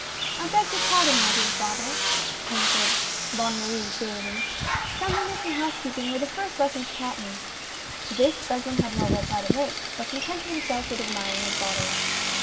" I beg your pardon, my dear father," answered 38 THE SMUGGLER. Bonne Marie gayly, " cleanliness and housekeeping were the first lessons taught me." To this Beslin had no reply to make, but contented himself with admiring his daughter.